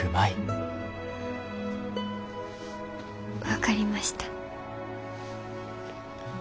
分かりました。